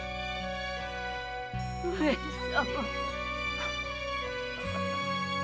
上様！